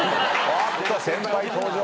おっと先輩登場。